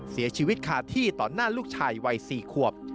เสียชีวิตคาที่ต่อหน้าลูกชายวัย๔ขวบ